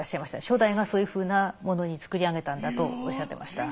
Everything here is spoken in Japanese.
初代がそういうふうなものに作り上げたんだとおっしゃってました。